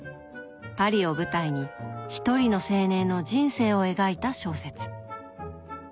パリを舞台に一人の青年の人生を描いた小説。